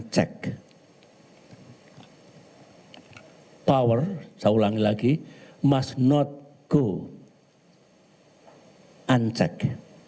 kekuatan saya ulangi lagi tidak harus dikeluarkan